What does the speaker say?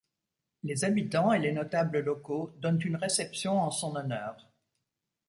Les habitants et les notables locaux donnent une réception en son honneur.